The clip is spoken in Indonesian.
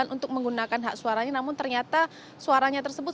untuk menggunakan hak suaranya namun ternyata suaranya tersebut